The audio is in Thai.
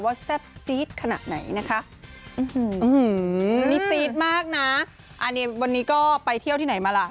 แซ่บซีดขนาดไหนนะคะนี่ซี๊ดมากนะอันนี้วันนี้ก็ไปเที่ยวที่ไหนมาล่ะ